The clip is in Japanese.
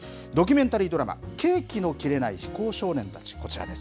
ドキュメンタリードラマ、ケーキの切れない非行少年たち。